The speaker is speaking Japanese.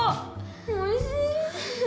おいしい。